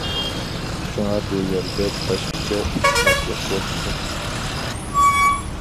شۇڭا بۇ يەردە باشقىچە ئۇقۇشماسلىق بولمىسۇن.